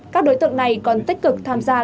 các đối tượng này còn tích cực tham gia